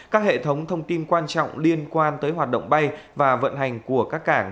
các hệ thống thông tin quan trọng liên quan tới hoạt động bay và vận hành của các cảng